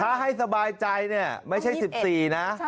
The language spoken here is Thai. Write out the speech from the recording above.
ถ้าให้สบายใจเนี่ยไม่ใช่๑๔นะ